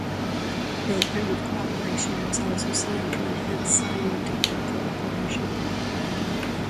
A Program of Cooperation was also signed to enhance scientific cooperation.